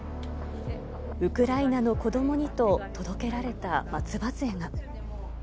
ウクライナの子どもにと届けられた松葉づえが。